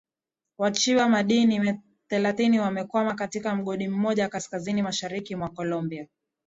wachiba madini thelathini wamekwama katika mgodi mmoja kaskazini mashariki mwa colombia